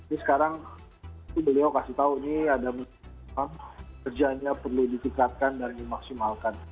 ini sekarang beliau kasih tahu ini ada menurut saya kerjanya perlu ditekatkan dan dimaksimalkan